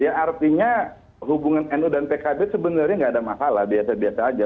ya artinya hubungan nu dan pkb sebenarnya nggak ada masalah biasa biasa aja